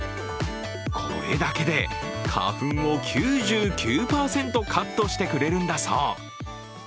これだけで花粉を９９％カットしてくれるんだそう。